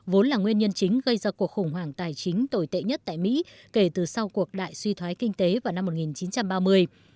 vốn là nguyên nhân chính gây ra cuộc khủng hoảng tài chính tồi tệ nhất tại mỹ kể từ sau cuộc đại suy thoái kinh tế vào năm một nghìn chín trăm ba mươi